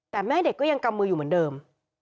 แต่แม่เด็กก็ยังกำมืออยู่เหมือนเดิม